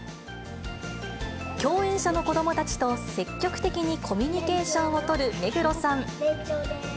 共演者の子どもたちと積極的にコミュニケーションを取る目黒さん。